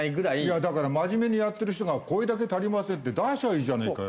だから真面目にやってる人がこれだけ足りませんって出しゃいいじゃねえかよ。